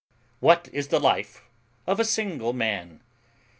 What is the life of a single man?